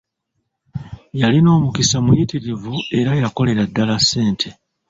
Yalina omukisa muyitirivu, era yakolera ddala ssente.